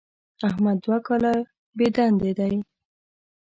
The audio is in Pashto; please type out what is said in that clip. احمد دوه کاله بېدندې دی.